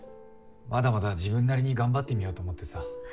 まだまだ自分なりに頑張ってみようと思ってさ。